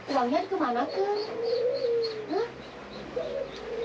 uangnya kemana ke